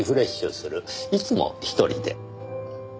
いつも一人で。